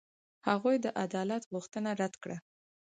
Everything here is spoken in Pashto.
هغوی د عدالت غوښتنه رد کړه.